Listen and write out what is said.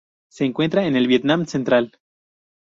Se encuentra en el Vietnam central.